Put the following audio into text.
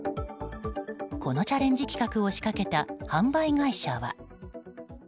このチャレンジ企画を仕掛けた販売会社は。